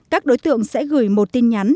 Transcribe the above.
các đối tượng sẽ gửi một tin nhắn